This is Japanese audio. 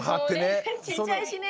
もうねちっちゃいしね。